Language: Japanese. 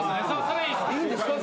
いいんですか？